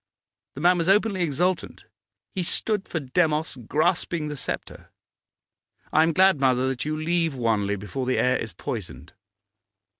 The man was openly exultant; he stood for Demos grasping the sceptre. I am glad, mother, that you leave Wanley before the air is poisoned.